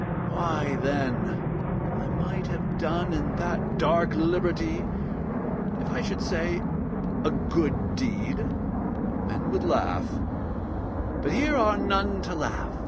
Why, then, I might have done in that dark liberty If I should say 'a good deed,' men would laugh, But here are none to laugh.